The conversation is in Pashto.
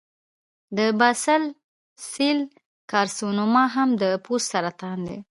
د باسل سیل کارسینوما هم د پوست سرطان دی.